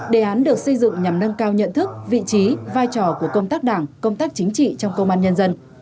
đề án được xây dựng nhằm nâng cao nhận thức vị trí vai trò của công tác đảng công tác chính trị trong công an nhân dân